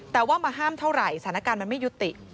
แต่ว่ามาห้ามเท่าไหร่สถานการณ์มันไม่ยุติ